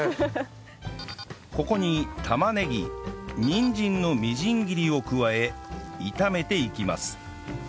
ここに玉ねぎにんじんのみじん切りを加え炒めていきます